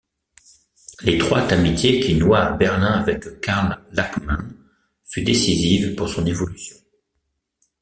L'étroite amitié qu'il noua à Berlin avec Karl Lachmann fut décisive pour son évolution.